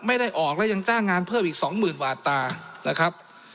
ไม่ได้ออกแล้วยังจ้างงานเพิ่มอีกสองหมื่นบาทตานะครับ